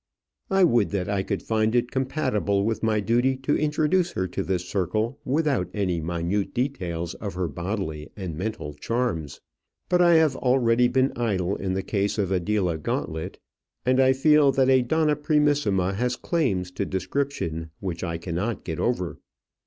I would that I could find it compatible with my duty to introduce her to this circle without any minute details of her bodily and mental charms; but I have already been idle in the case of Adela Gauntlet, and I feel that a donna primissima has claims to description which I cannot get over.